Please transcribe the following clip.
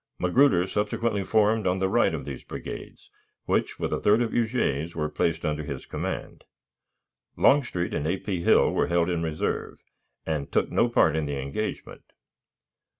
Magruder subsequently formed on the right of these brigades, which, with a third of Huger's, were placed under his command. Longstreet and A. P. Hill were held in reserve, and took no part in the engagement.